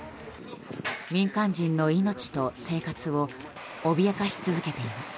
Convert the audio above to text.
民間人の命と生活を脅かし続けています。